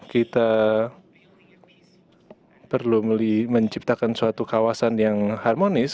kita perlu menciptakan suatu kawasan yang harmonis